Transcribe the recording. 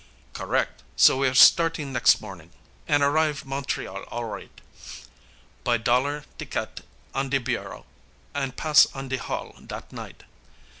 Correc' so we're startin' nex' morning, an' arrive Montreal all right, Buy dollar tiquette on de bureau, an' pass on de hall dat night.